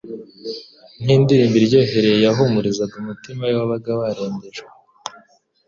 nk'indirimbo iryohereye yahumurizaga umutima we wabaga warembejwe